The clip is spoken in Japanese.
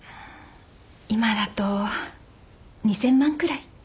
今だと２，０００万くらい。